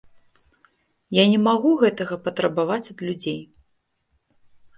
Я не магу гэтага патрабаваць ад людзей.